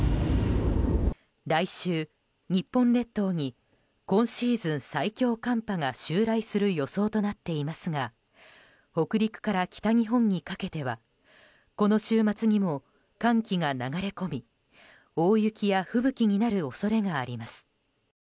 来週、日本列島に今シーズン最強寒波が襲来する予想となっていますが北陸から北日本にかけてはこの週末にも寒気が流れ込み、大雪や吹雪になる恐れがあります。